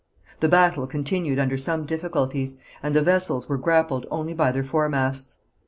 The battle continued under some difficulties, and the vessels were grappled only by their foremasts.